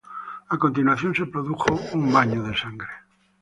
A continuación se produjo un baño de sangre.